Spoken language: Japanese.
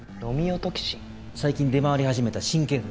最近出回り始めた神経毒。